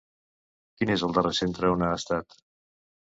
Quin és el darrer centre on ha estat?